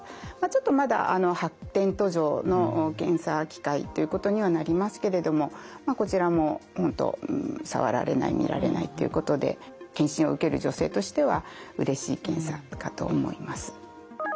ちょっとまだ発展途上の検査機械ということにはなりますけれどもこちらも本当触られない見られないということで検診を受ける女性としてはうれしい検査かと思います。